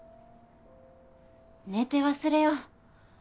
寝て忘れよ。